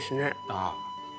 ああ。